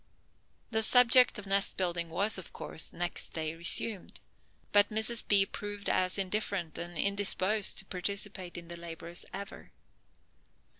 The subject of nest building was, of course, next day resumed; but Mrs. B. proved as indifferent and indisposed to participate in the labor as ever.